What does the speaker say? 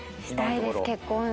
したいです結婚。